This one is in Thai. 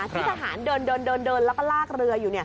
ที่ทหารเดินแล้วก็ลากเรืออยู่